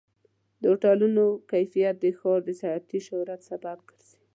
د هوټلونو کیفیت د ښار د سیاحتي شهرت سبب ګرځي.